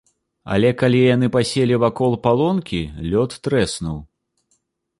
Але калі яны паселі вакол палонкі, лёд трэснуў.